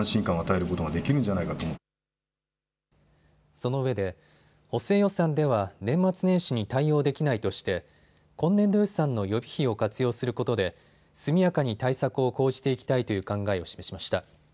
そのうえで補正予算では年末年始に対応できないとして今年度予算の予備費を活用することで速やかに対策を講じていきたいという考えを示しました。